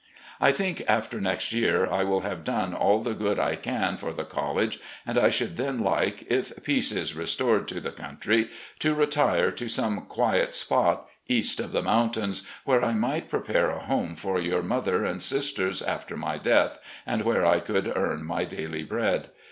I think after next year I will have done all the good I can for the college, and I should then like, if peace is restored to the country, to retire to some quiet spot, east of the mountains, where I might prepare a home for your mother and sisters after my death, and where I could earn my daily bread.